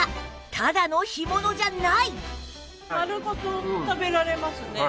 ただの干物じゃない！